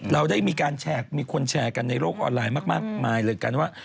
เราได้มีการแชร์มีคนแชร์กันในโลกออนไลน์มากมายเลยกันว่า